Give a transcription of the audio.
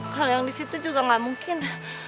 kalau yang di situ juga nggak mungkin